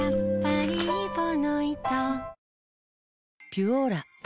「ピュオーラ」